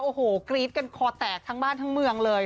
โอ้โหกรี๊ดกันคอแตกทั้งบ้านทั้งเมืองเลย